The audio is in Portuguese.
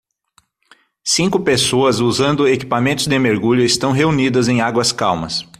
Cinco pessoas usando equipamentos de mergulho estão reunidas em águas calmas.